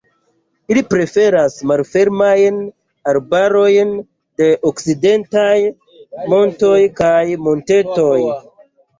Ili preferas malfermajn arbarojn de okcidentaj montoj kaj montetoj.